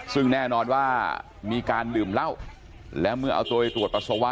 ซึ่งแน่นอนว่ามีการดื่มเหล้าแล้วเมื่อเอาตัวไปตรวจปัสสาวะ